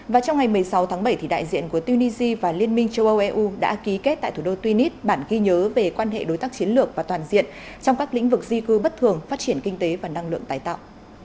và trong ngày một mươi sáu tháng bảy thì đại diện của tunisia và liên minh châu âu eu đã ký kết tại thủ đô tunis bản ghi nhớ về quan hệ đối tác chiến lược và toàn diện trong các lĩnh vực di cư bất thường phát triển kinh tế và năng lượng tái tạo